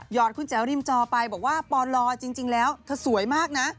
อดคุณแจ๋วริมจอไปบอกว่าปลจริงแล้วเธอสวยมากนะ